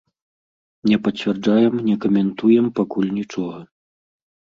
Не пацвярджаем, не каментуем пакуль нічога.